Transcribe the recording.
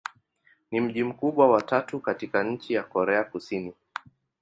Ni mji mkubwa wa tatu katika nchi wa Korea Kusini.